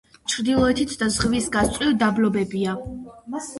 ჩრდილოეთით და ზღვის გასწვრივ დაბლობებია.